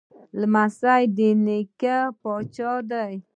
لمسی د نیکه پاچا دی.